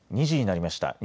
２時になりました。